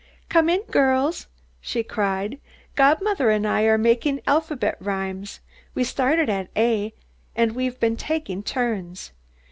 "Come in, girls," she cried. "Godmother and I are making alphabet rhymes. We started at A, and have been taking turns.